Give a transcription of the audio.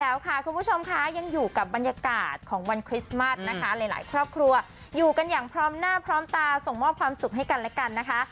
แล้วค่ะคุณผู้ชมค่ะยังอยู่กับบรรยากาศของวันคริสต์มัสนะคะหลายครอบครัวอยู่กันอย่างพร้อมหน้าพร้อมตาส่งมอบความสุขให้กันและกันนะคะ